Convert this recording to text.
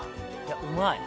うまい